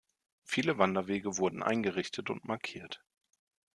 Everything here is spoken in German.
Viele Wanderwege wurden eingerichtet und markiert.